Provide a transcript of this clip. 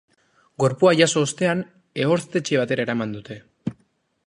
Gorpua jaso ostean, ehorztetxe batera eraman dute.